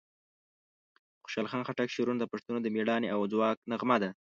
د خوشحال خان خټک شعرونه د پښتنو د مېړانې او ځواک نغمه ده.